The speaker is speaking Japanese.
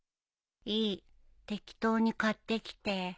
いい適当に買ってきて。